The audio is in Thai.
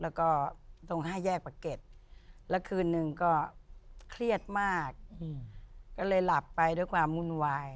แล้วก็ตรง๕แยกประเก็ตแล้วคืนหนึ่งก็เครียดมากก็เลยหลับไปด้วยความวุ่นวาย